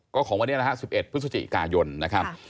ก็ของวันนี้นะฮะ๑๑พฤศจิกายนนะครับ